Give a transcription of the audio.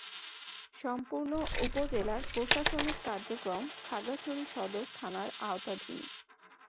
সম্পূর্ণ উপজেলার প্রশাসনিক কার্যক্রম খাগড়াছড়ি সদর থানার আওতাধীন।